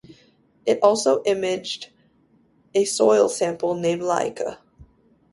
It also imaged a soil sample named "Laika".